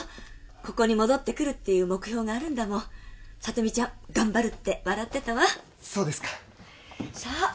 ここに戻ってくるっていう目標があるんだもん聡美ちゃん頑張るって笑ってたわそうですかさあ